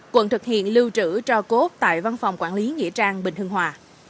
quận thực hiện lưu trữ cho cốt tại văn phòng quản lý nghĩa trang bình hưng hòa